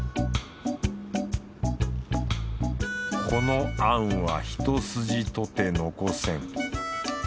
このあんは一筋とて残せん。